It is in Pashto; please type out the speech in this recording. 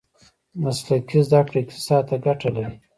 مسلکي زده کړې اقتصاد ته ګټه لري.